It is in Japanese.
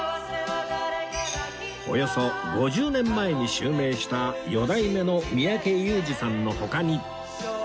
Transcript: およそ５０年前に襲名した四代目の三宅裕司さんの他に